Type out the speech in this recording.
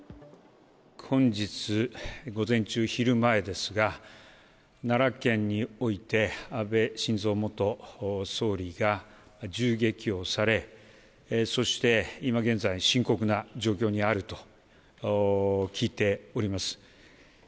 本日午前中、昼前ですが、奈良県において、安倍晋三元総理が銃撃をされ、そして今現在、深刻な状況にあると聞いております。